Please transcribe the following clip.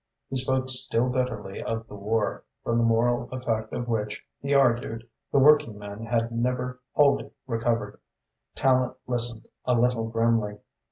He spoke still bitterly of the war, from the moral effect of which, he argued, the working man had never wholly recovered. Tallente listened a little grimly.